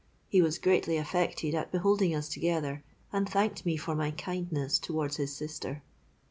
He was greatly affected at beholding us together, and thanked me for my kindness towards my sister.